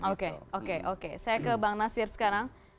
oke oke oke saya ke bang nasir sekarang